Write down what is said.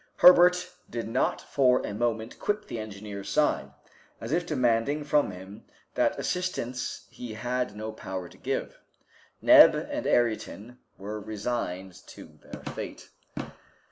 Herbert did not for a moment quit the engineer's side, as if demanding from him that assistance he had no power to give. Neb and Ayrton were resigned to their fate.